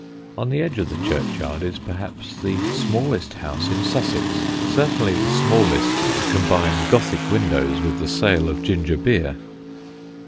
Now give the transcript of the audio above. On the edge of the churchyard is perhaps the smallest house in Sussex: certainly the smallest to combine Gothic windows with the sale of ginger beer.